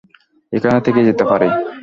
এখানে থেকে যেতে পারি।